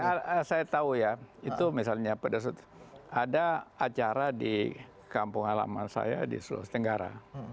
ya saya tahu ya itu misalnya pada saat ada acara di kampung halaman saya di sulawesi tenggara